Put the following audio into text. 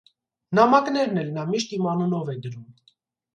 Նամակներն էլ նա միշտ իմ անունով է գրում: